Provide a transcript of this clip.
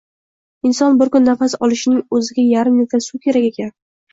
Inson bir kun nafas olishining o‘ziga yarim litr suv kerak ekan